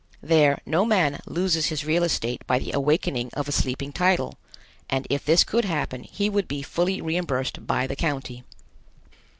There no man loses his real estate by the awakening of a sleeping title, and if this could happen he would be fully reimbursed by the county.